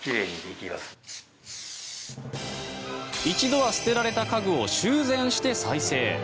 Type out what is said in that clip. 一度は捨てられた家具を修繕して再生。